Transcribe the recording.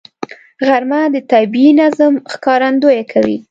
غرمه د طبیعي نظم ښکارندویي کوي